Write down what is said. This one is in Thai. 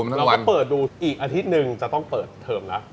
เราก็เปิดดูอีกอาทิตย์หนึ่งจะต้องเปิดเทอมแล้ว